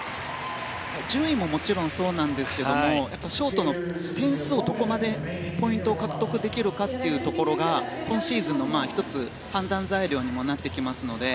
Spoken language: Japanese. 順位もそうなんですがショートの点数をどこまでポイントを獲得できるかが今シーズンの１つ判断材料にもなってきますので。